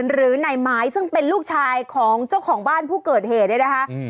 หรือนายไม้ซึ่งเป็นลูกชายของเจ้าของบ้านผู้เกิดเหตุเนี่ยนะคะ